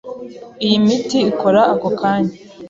Iyi miti ikora ako kanya.